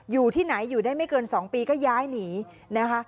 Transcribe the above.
อยู่ที่ไหนอยู่ได้ไม่เกิน๒ปีก็ย้ายหนีนะคะ